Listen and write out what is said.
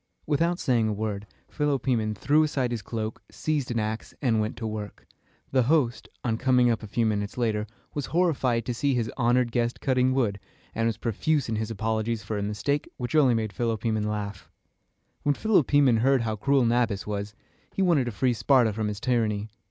Without saying a word, Philopoemen threw aside his cloak, seized an ax, and set to work. The host, on coming up a few minutes later, was horrified to see his honored guest cutting wood, and was profuse in his apologies for a mistake which only made Philopoemen laugh. When Philopoemen heard how cruel Nabis was, he wanted to free Sparta from his tyranny.